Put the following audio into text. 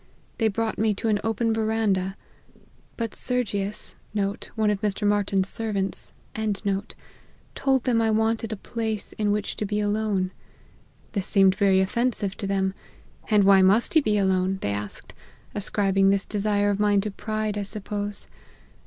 They brought me to an open verandah, but Sergius* told them I wanted a place in which to be alone. This seemed very offensive to them :' And why must he be alone ?' they asked ; ascribing this desire of mine to pride, I suppose.